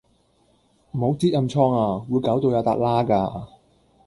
唔好擳暗瘡呀，會搞到有笪瘌架